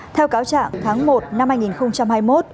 theo cáo trạng tháng một năm hai nghìn hai mươi một